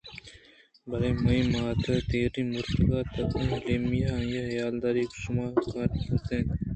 بلئے مئے مات دیری مُرتگ اَت اگاں ایمیلیا آئی ءِحیالداری ءَ شموشکار بوتیں اَت